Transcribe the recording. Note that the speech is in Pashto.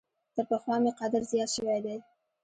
تر پخوا مي قدر زیات شوی دی .